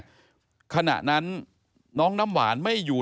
ขณะนั้นน้องน้ำหวานไม่อยู่